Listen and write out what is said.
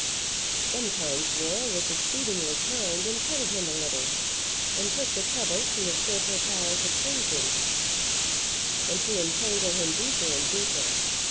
Sometimes Laura was exceedingly kind and petted him a little, and took the trouble to exert her powers of pleasing, and to entangle him deeper and deeper.